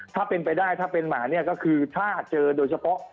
ถ้าเป็นไปได้ถ้าเป็นหมาเนี่ยก็คือถ้าเจอโดยเฉพาะ